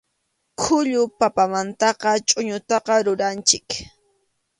Khullu papamantaqa chʼuñuta ruranchik.